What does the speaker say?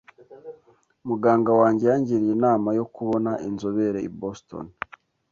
Muganga wanjye yangiriye inama yo kubona inzobere i Boston.